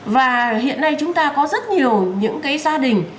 và hiện nay chúng ta có rất nhiều những cái gia đình